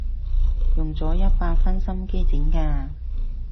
用咗一百分心機整㗎